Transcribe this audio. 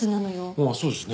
ああそうですね。